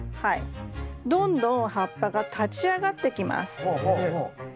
どんどん葉っぱが立ち上がってきます。